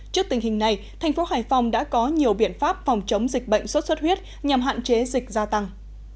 trước tình hình này tp hcm đã có nhiều biện pháp phòng chống dịch bệnh xuất xuất huyết nhằm hạn chế dịch gia tăng